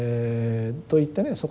といってね